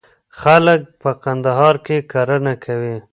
خلک په کندهار کي کرنه کوي.